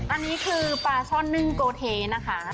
อันนี้คือปลาช่อนนึ่งโกเทนะคะ